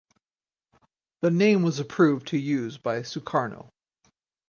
The name was approved to use by Sukarno.